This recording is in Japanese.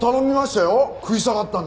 食い下がったんですから。